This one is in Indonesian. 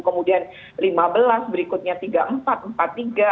kemudian lima belas berikutnya tiga empat empat tiga